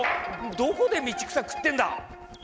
どこで道草食ってんだ！